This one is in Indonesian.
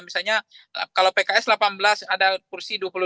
misalnya kalau pks delapan belas ada kursi dua puluh dua